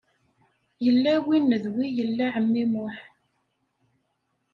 Yella win d wi yella ɛemmi Muḥ.